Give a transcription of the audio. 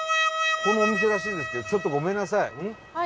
ここのお店らしいんですけどちょっとごめんなさい。